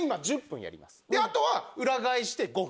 後は裏返して５分。